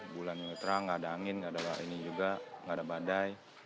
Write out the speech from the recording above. bulan juga terang gak ada angin gak ada ini juga gak ada badai